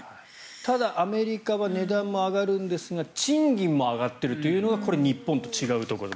ただアメリカは値段も上がるんですが賃金も上がっているというのが日本と違うところ。